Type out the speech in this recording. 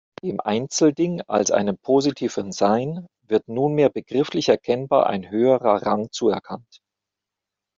Dem Einzelding als einem positiven Sein wird nunmehr begrifflich erkennbar ein höherer Rang zuerkannt.